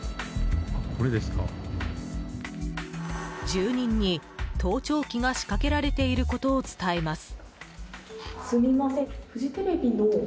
住人に盗聴器が仕掛けられていることを伝えます。